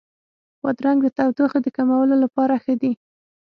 بادرنګ د تودوخې د کمولو لپاره ښه دی.